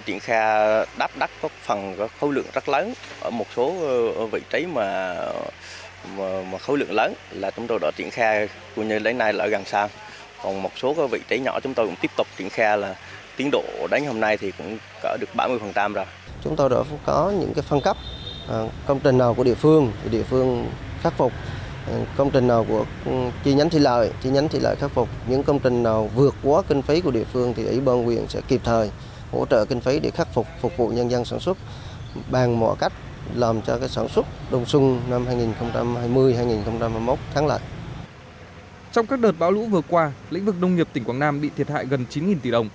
trong các đợt bão lũ vừa qua lĩnh vực đông nghiệp tỉnh quảng nam bị thiệt hại gần chín tỷ đồng